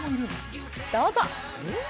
どうぞ。